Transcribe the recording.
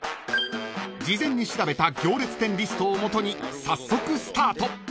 ［事前に調べた行列店リストを基に早速スタート］